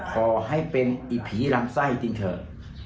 ขอให้เป็นอีผีลำไส้จริงเถอะ